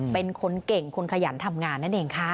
เป็นคนเก่งคนขยันทำงานนั่นเองค่ะ